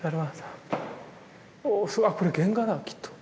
おすごいあっこれ原画だきっと。